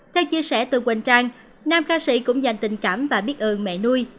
theo chia sẻ từ quỳnh trang nam ca sĩ cũng dành tình cảm và biết ơn mẹ nuôi